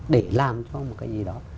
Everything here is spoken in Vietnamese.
để làm cho một cái gì đó